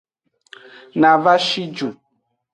Na va shi ju.